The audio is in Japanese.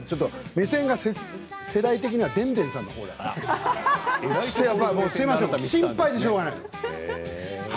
目線が世代的にはでんでんさんのほうだから心配でしょうがない。